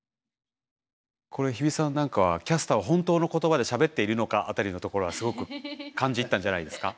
これ日比さんなんかはキャスターは本当の言葉でしゃべっているのか辺りのところはすごく感じ入ったんじゃないですか？